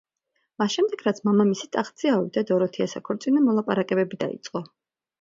მას შემდეგ, რაც მამამისი ტახტზე ავიდა, დოროთეას საქორწინო მოლაპარაკებები დაიწყო.